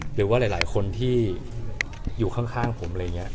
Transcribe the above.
หรือว่าหลายคนที่อยู่ข้างผมอะไรอย่างนี้